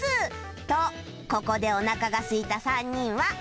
とここでおなかがすいた３人は